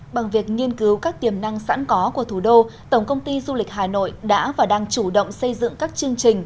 bằng việc nghiên cứu các tiềm năng sẵn có của thủ đô tổng công ty du lịch hà nội đã và đang chủ động xây dựng các chương trình